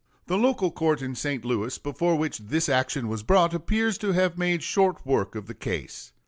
The local court in St. Louis before which this action was brought appears to have made short work of the case.